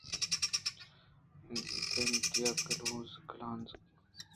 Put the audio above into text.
کنِتان ءُ کلُونز کلانز ءَ اَت